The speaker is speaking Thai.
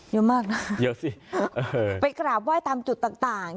เยอะมากไปกราบไหว้ตามจุดต่างต่าง